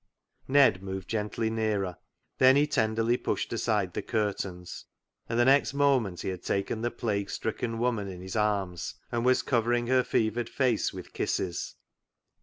Ned moved gently nearer. Then he ten derly pushed aside the curtains, and the next moment he had taken the plague stricken woman in his arms and was covering her fevered face with kisses.